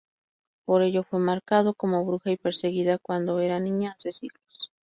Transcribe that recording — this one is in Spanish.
Por ello, fue marcada como bruja y perseguida cuando era niña, hace siglos.